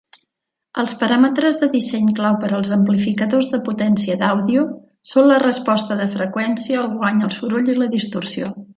Els paràmetres de disseny clau per als amplificadors de potència d'àudio són la resposta de freqüència, el guany, el soroll i la distorsió.